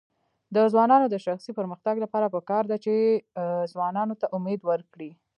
د ځوانانو د شخصي پرمختګ لپاره پکار ده چې ځوانانو ته امید ورکړي.